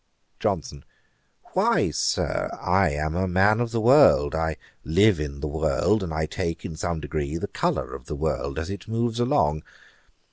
JOHNSON. 'Why, Sir, I am a man of the world. I live in the world, and I take, in some degree, the colour of the world as it moves along.